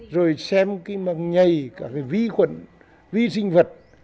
rồi xem cái mà nhầy cả cái vi khuẩn vi sinh vật